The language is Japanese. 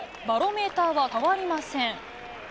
バロメーターは変わりません。